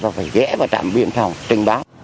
và phải ghé vào trạm biên phòng trình báo